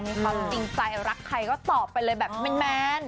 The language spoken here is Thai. มีความจริงใจรักใครก็ตอบไปเลยแบบแมน